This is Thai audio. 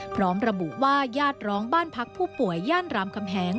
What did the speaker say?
พร้อมระบุว่าญาติร้องบ้านพักผู้ป่วยย่านรามคำแหง